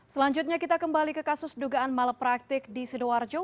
selanjutnya kita kembali ke kasus dugaan malapraktik di sidoarjo